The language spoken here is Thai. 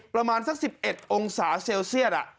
ประมาณสัก๑๑องศาเซลเซียต